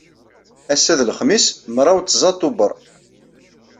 Ass-a d lexmis, mraw tẓa Tubeṛ.